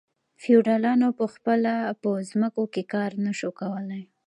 فیوډالانو په خپله په ځمکو کې کار نشو کولی.